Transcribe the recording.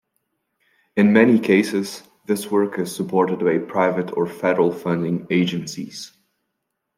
In many cases, this work is supported by private or federal funding agencies.